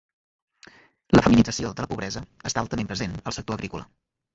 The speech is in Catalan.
La feminització de la pobresa està altament present al sector agrícola.